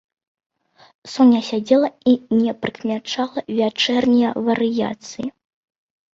Соня сядзела і не прыкмячала вячэрняе варыяцыі.